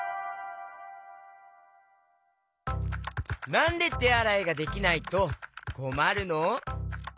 なんでてあらいができないとこまるの？